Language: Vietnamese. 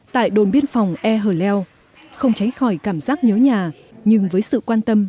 tại đồn biên phòng e hờ leo không tránh khỏi cảm giác nhớ nhà nhưng với sự quan tâm